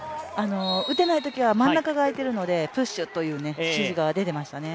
打てないときは真ん中が空いているのでプッシュという指示が出ていましたね。